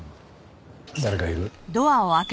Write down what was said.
誰かいる？